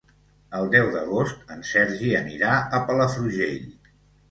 El deu d'agost en Sergi anirà a Palafrugell.